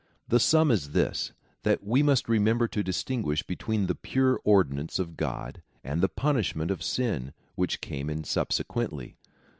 The sum is this, that we must remember to distinguish between the pure ordinance of God and the punishment of sin, which came in subsequently.